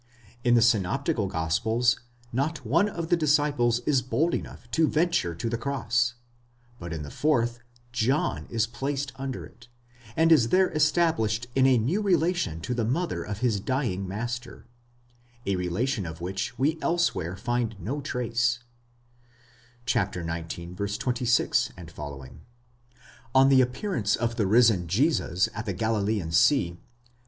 In the synoptical gospels, not one of the disciples is bold enough to venture to the cross ; but in the fourth, John is placed under it, and is there established in a new relation to the mother of his dying master: a relation of which we elsewhere find no trace (xix. 26 f.). On the appearance of the risen Jesus at the Galilean sea (xxi.)